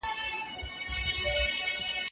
ښځه باید د کور دننه د ټولنې او شریعت سره مطابقت وکړي.